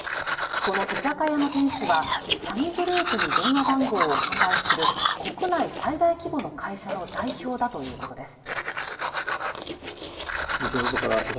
この居酒屋の店主は詐欺グループに電話番号を販売する国内最大規模の会社の代表だということです